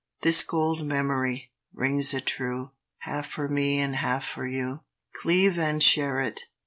This gold memory rings it true? Half for me and half for you. Cleave and share it.